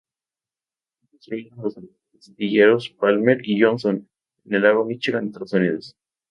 Fue construido en los astilleros Palmer y Johnson, en el lago Míchigan, Estados Unidos.